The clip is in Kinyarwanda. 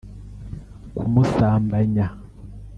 kumusambanya